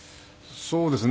そうですね。